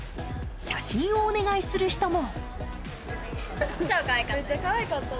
写真をお願いする人も。